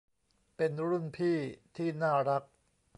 เป็นรุ่นพี่ที่น่ารัก